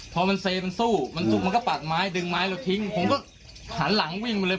พอมันเซมันสู้มันซุกมันก็ปากไม้ดึงไม้เราทิ้งผมก็หันหลังวิ่งมาเลย